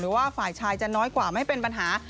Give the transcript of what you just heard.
ว่าฝ่ายชายจะน้อยกว่าไม่เป็นปัญหา